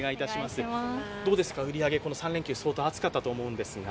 どうですか、売り上げ、３連休、相当暑かったと思いますが。